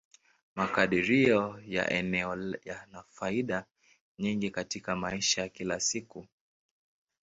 Makadirio ya eneo yana faida nyingi katika maisha ya kila siku.